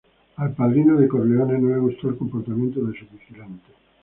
Al Padrino de Corleone no le gustó el comportamiento de su vigilante.